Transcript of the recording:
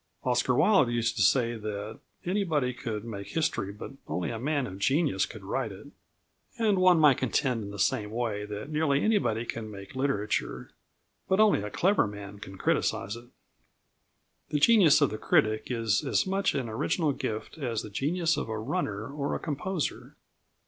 Oscar Wilde used to say that anybody could make history, but only a man of genius could write it; and one might contend in the same way that nearly anybody can make literature, but only a clever man can criticise it. The genius of the critic is as much an original gift as the genius of a runner or a composer.